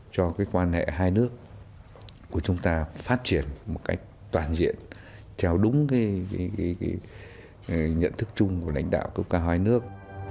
cho quan hệ hai nước của chúng ta phát triển một cách toàn diện theo đúng nhận thức chung của lãnh đạo cấp cao hai nước